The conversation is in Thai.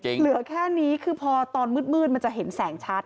เหลือแค่นี้คือพอตอนมืดมันจะเห็นแสงชัด